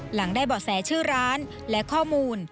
หลังได้เบาะแสชื่อร้านและข้อมูล